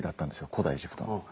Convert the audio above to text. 古代エジプトの。